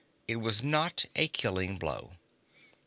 It was not a killing blow.